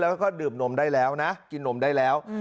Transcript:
แล้วก็ดื่มนมได้แล้วนะกินนมได้แล้ว